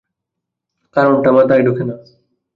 কারণটা মাথায় ঢোকে না।